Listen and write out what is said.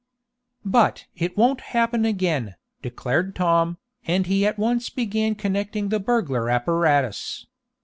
"But it won't happen again," declared Tom, and he at once began connecting the burglar apparatus.